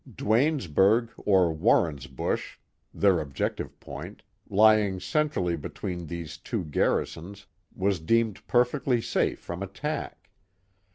Duanesburjr or Warrensbush (their objective point), lying centrally between these two garrisons; was deemed perfectly safe from attack.